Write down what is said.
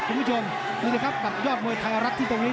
คุณผู้ชมนี่นะครับกับยอดมวยไทยรัฐที่ตรงนี้